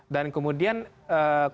dan kemudian konsekuensinya